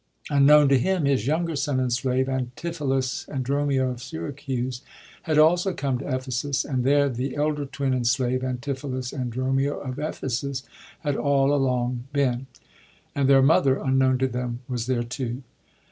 Un known to him, his younger son and slave (Antipholus and Dromio of Syracuse) had also come to Ephesus ; and there the elder twin and slave (Antipholus and Dromio of Ephesus) had all along been ; and their mother, un known to thjBm, was there too.